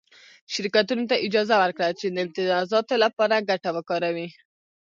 شرکتونو ته یې اجازه ورکړه چې د امتیازاتو لپاره ګټه وکاروي